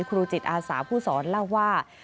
ครูจิตอาสาผู้สอนเล่าว่า